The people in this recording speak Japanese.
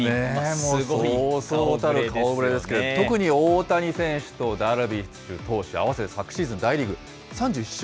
そうそうたる顔ぶれですけれども、特に大谷選手とダルビッシュ投手、合わせて昨シーズン、大リーグ３１勝。